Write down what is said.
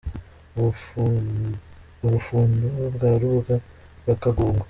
U Bufundu bwa Rubuga rwa Kagogo.